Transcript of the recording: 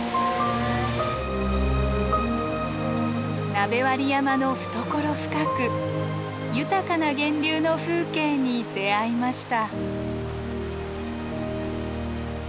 鍋割山の懐深く豊かな源流の風景に出会いました。